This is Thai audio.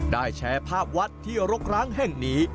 แชร์ภาพวัดที่รกร้างแห่งนี้